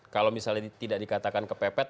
kalau misalnya tidak dikatakan kepepet